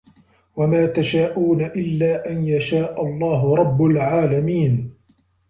وَما تَشاءونَ إِلّا أَن يَشاءَ اللَّهُ رَبُّ العالَمينَ